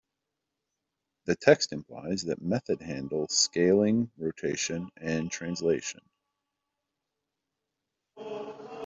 The text implies that method handles scaling, rotation, and translation.